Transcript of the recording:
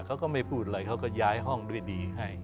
เขาก็ไม่พูดอะไรเขาก็ย้ายห้องด้วยดีให้